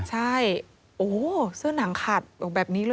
ใช่โอ้โหเสื้อหนังขัดบอกแบบนี้เลย